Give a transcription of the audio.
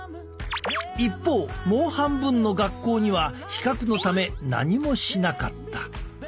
一方もう半分の学校には比較のため何もしなかった。